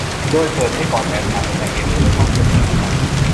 โดยเปิดให้เกาะแสมสารเป็นแหล่งเรียนรู้และท่องเที่ยวเชิงอนุรักษ์